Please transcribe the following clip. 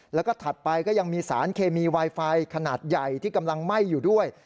แล้วก็ถัดไปก็ยังมีสารเคมีไวไฟขนาดใหญ่ที่กำลังไหม้อยู่ด้วย